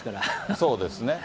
そうですね。